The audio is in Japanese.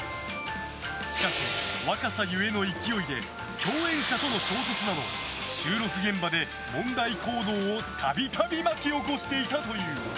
しかし、若さゆえの勢いで共演者との衝突など収録現場で問題行動を度々、巻き起こしていたという。